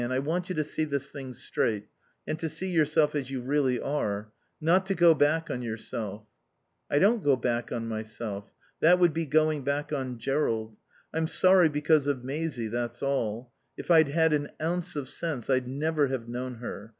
I want you to see this thing straight, and to see yourself as you really are. Not to go back on yourself." "I don't go back on myself. That would be going back on Jerrold. I'm sorry because of Maisie, that's all. If I'd had an ounce of sense I'd never have known her.